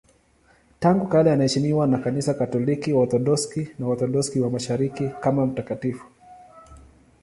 Tangu kale anaheshimiwa na Kanisa Katoliki, Waorthodoksi na Waorthodoksi wa Mashariki kama mtakatifu.